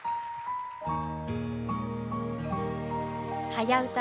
「はやウタ」